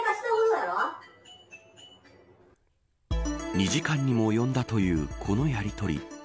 ２時間にも及んだというこのやりとり。